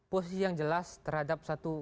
posisi yang jelas terhadap satu